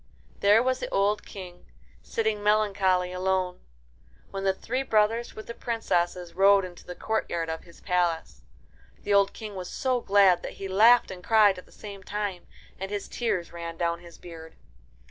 There was the old King, sitting melancholy alone, when the three brothers with the princesses rode into the courtyard of the palace. The old King was so glad that he laughed and cried at the same time, and his tears ran down his beard.